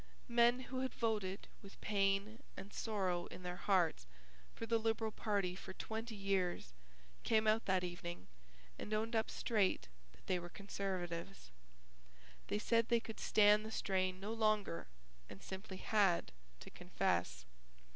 Men who had voted, with pain and sorrow in their hearts, for the Liberal party for twenty years, came out that evening and owned up straight that they were Conservatives. They said they could stand the strain no longer and simply had to confess.